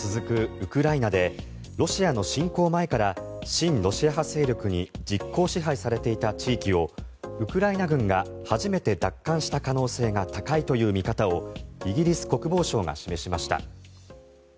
ウクライナでロシアの侵攻前から親ロシア派勢力に実効支配されていた地域をウクライナ軍が初めて奪還した可能性が高いという見方をイギリス国防省が示しました。